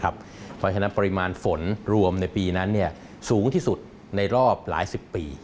เพราะฉะนั้นปริมาณฝนรวมในปีนั้นสูงที่สุดในรอบหลายสิบปี